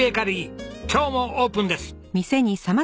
今日もオープンです。